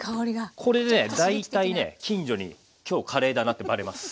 これね大体ね近所に「今日カレーだな」ってバレます。